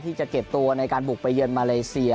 ที่จะเก็บตัวในการบุกไปเยือนมาเลเซีย